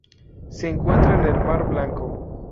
Se encuentra en el Mar Blanco.